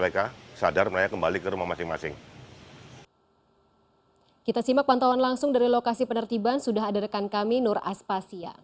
kita simak pantauan langsung dari lokasi penertiban sudah ada rekan kami nur aspasya